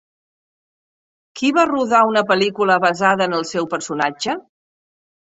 Qui va rodar una pel·lícula basada en el seu personatge?